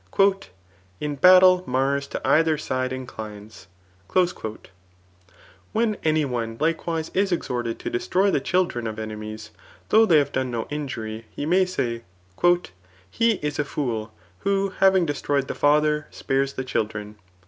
In batde Mars to either^side inclines.* When any one likewise is exhorted to destroy the chil* dren of enemies, though they have done no injury, he may say, •*He is a fool, who having destroyed the ftdier spares the children."